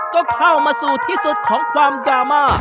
ก็เข้ามาสู่ที่สุดของความดราม่า